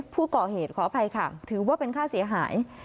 ผู้ก่อเหตุขออภัยค่ะถือว่าเป็นค่าเสียหาย